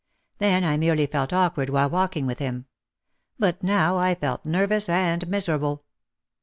Then, I merely felt awkward while walking with him. But now I felt nervous and miserable.